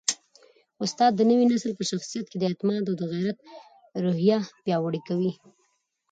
استاد د نوي نسل په شخصیت کي د اعتماد او غیرت روحیه پیاوړې کوي.